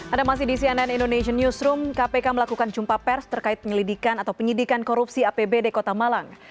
ada masih di cnn indonesian newsroom kpk melakukan jumpa pers terkait penyelidikan atau penyidikan korupsi apbd kota malang